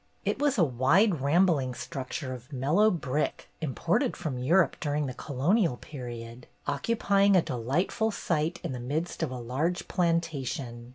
It was a wide, rambling structure of mellow brick imported from Europe during the colo 278 BETTY BAIRD'S GOLDEN YEAR nial period, occupying a delightful site in the midst of a large plantation.